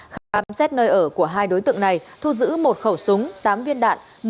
khám xét nơi ở của hai đối tượng này thu giữ một khẩu súng tám viên đạn